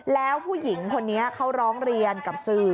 แล้วผู้หญิงคนนี้เขาร้องเรียนกับสื่อ